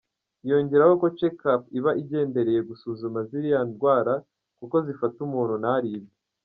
Yongeraho ko checkup iba igendereye gusuzuma ziriya ndwara kuko zifata umuntu ntaribwe.